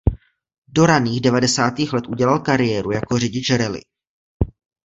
Do raných devadesátých let udělal kariéru jako řidič rally.